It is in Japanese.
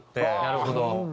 なるほど。